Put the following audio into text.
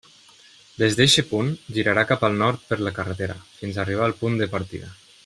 Des d'eixe punt, girarà cap al nord per la carretera, fins a arribar al punt de partida.